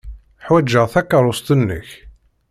Ḥwajeɣ takeṛṛust-nnek.